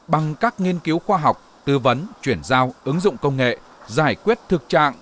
bằng các nghiên cứu khoa học tư vấn chuyển giao ứng dụng công nghệ giải quyết thực trạng